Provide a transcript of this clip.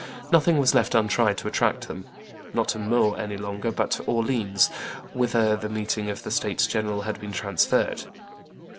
Nothing was left untried to attract them, not to Meaux any longer, but to Orleans, whither the meeting of the states general had been transferred.